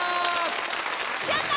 やった！